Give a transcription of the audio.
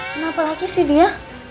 kenapa lagi sih dia